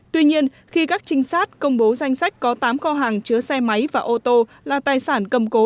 tuy nhiên khi các trinh sát công bố danh sách có tám kho hàng chứa xe máy và ô tô là tài sản cầm cố